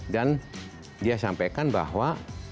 dan dia sampaikan bahwa